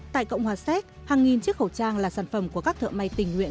tại cộng hòa séc hàng nghìn chiếc khẩu trang là sản phẩm của các thợ may tình nguyện